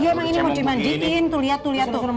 iya emang ini mau dimanjiin tuh liat tuh liat tuh